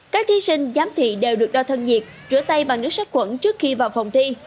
các thí sinh giám thị đều được đo thân nhiệt rửa tay bằng nước sát quẩn trước khi vào phòng thi